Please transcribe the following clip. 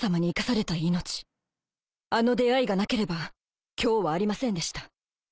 あの出会いがなければ今日はありませんでした。